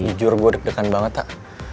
jujur gue deg degan banget pak